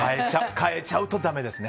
変えちゃうと、だめですね。